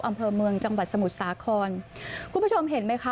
อำเภอเมืองจังหวัดสมุทรสาครคุณผู้ชมเห็นไหมคะ